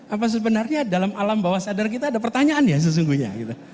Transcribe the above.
apa sebenarnya dalam alam bawah sadar kita ada pertanyaan ya sesungguhnya gitu